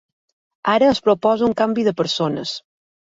Ara es proposa un canvi de persones.